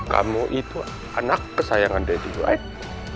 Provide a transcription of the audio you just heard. kamu itu anak kesayangan daddy right